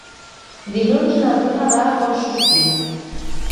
Dilluns na Duna va a Collsuspina.